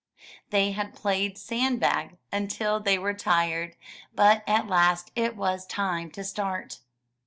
They had played 'Sand Bag until they were tired, but at last it was time to start.